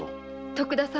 徳田様！